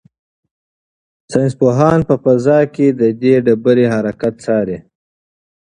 ساینس پوهان په فضا کې د دې ډبرې حرکت څاري.